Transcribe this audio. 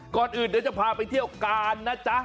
ก่อนอื่นเดี๋ยวจะพาไปเที่ยวการนะจ๊ะ